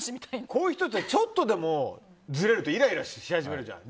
こういう人ってちょっとでもずれるとイライラし始めちゃうじゃん。